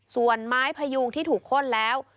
ส่วนไม้พยุงที่ถูกข้นแล้ว